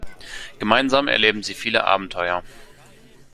Gemeinsam erleben sie viele Abenteuer.